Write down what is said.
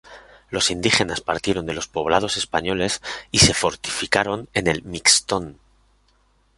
Los indígenas partieron de los poblados españoles y se fortificaron en el Mixtón.